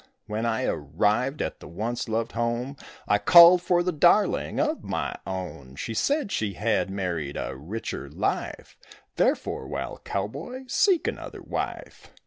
When I arrived at the once loved home I called for the darling of my own; They said she had married a richer life, Therefore, wild cowboy, seek another wife.